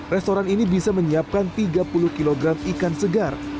restoran ini bisa menyiapkan tiga puluh kg ikan segar